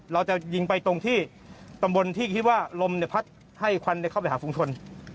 เราจะยิงไปตรงที่ตำบลที่คิดว่าลมพัดให้ควันเข้าไปหาฝุงชน